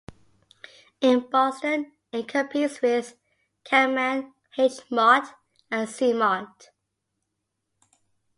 In Boston, it competes with Kam Man, H Mart, and C-Mart.